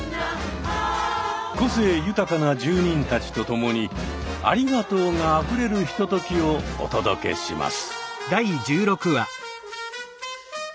個性豊かな住人たちと共に「ありがとう」があふれるひとときをお届けします。